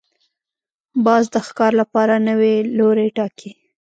باز د ښکار لپاره نوی لوری ټاکي